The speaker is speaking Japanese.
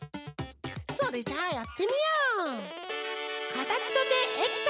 それじゃあやってみよう！